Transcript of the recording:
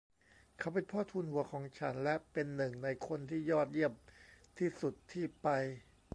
เขาเป็นพ่อทูนหัวของฉัน และเป็นหนึ่งในคนที่ยอดเยี่ยมที่สุดที่ไป